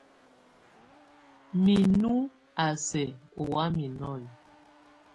Minú a sɛk oŋwam nɔ́ye.